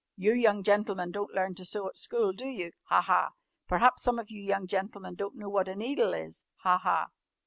You young gentlemen don't learn to sew at school, do you? Ha! Ha! Perhaps some of you young gentlemen don't know what a needle is? Ha! Ha!"